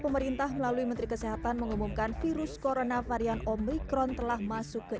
pemerintah melalui menteri kesehatan mengumumkan virus corona varian omikron telah masuk ke